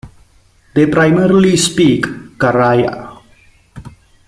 They primarily speak Karay-a.